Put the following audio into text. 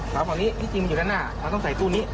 ข้างนี้ที่จริงอยู่หน้ามันต้องใส่ตู้นี้